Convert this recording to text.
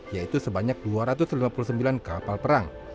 yaitu sebanyak dua ratus lima puluh sembilan kapal perang